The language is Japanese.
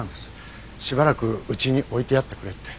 しばらくうちに置いてやってくれって。